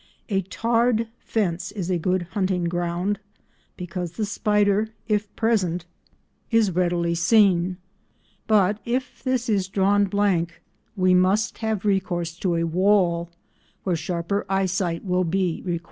A tarred fence is a good hunting ground, because the spider, if present, is readily seen, but if this is drawn blank we must have recourse to a wall, where sharper eyesight will be required.